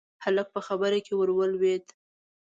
هلک په خبره کې ورولوېد: